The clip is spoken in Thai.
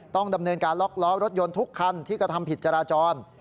ต้องดำเนินการล็อกล้อรถยนต์ทุกคันที่กระทำผิดจราจร